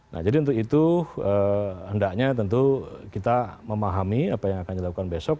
nah jadi untuk itu hendaknya tentu kita memahami apa yang akan dilakukan besok